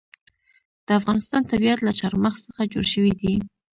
د افغانستان طبیعت له چار مغز څخه جوړ شوی دی.